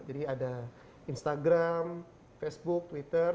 jadi ada instagram facebook twitter